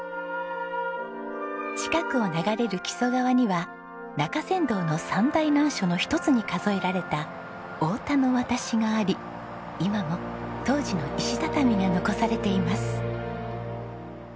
近くを流れる木曽川には中山道の三大難所の一つに数えられた太田の渡しがあり今も当時の石畳が残されています。